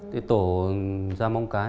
thì tổ ra móng cái